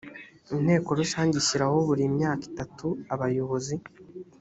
inteko rusange ishyiraho buri myaka itatu abayobozi